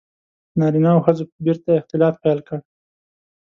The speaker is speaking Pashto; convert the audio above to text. • نارینه او ښځو بېرته اختلاط پیل کړ.